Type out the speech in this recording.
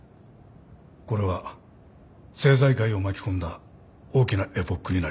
これは政財界を巻き込んだ大きなエポックになります。